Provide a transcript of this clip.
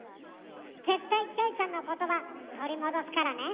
絶対キョエちゃんの言葉取り戻すからね。